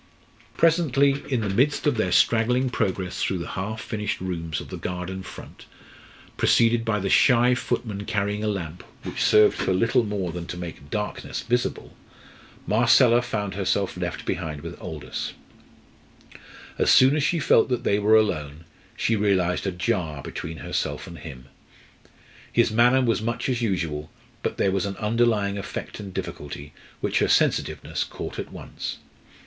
Presently, in the midst of their straggling progress through the half furnished rooms of the garden front, preceded by the shy footman carrying a lamp, which served for little more than to make darkness visible, Marcella found herself left behind with Aldous. As soon as she felt that they were alone, she realised a jar between herself and him. His manner was much as usual, but there was an underlying effort and difficulty which her sensitiveness caught at once.